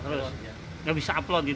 tidak bisa upload gitu ya